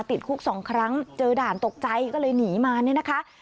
ติดคุกสองครั้งเจอด่านตกใจก็เลยหนีมาเนี่ยนะคะ